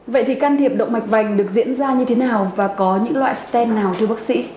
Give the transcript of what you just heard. vậy thì can thiệp động mạch vành được diễn ra như thế nào và có những loại stent nào thưa bác sĩ